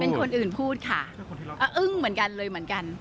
เป็นคนอื่นพูดค่ะอึ้งเหมือนกันเลยเหมือนกัน